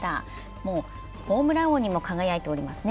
もうホームラン王にも輝いていますね。